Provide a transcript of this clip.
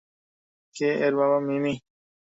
কে এর বাবা, মিমি?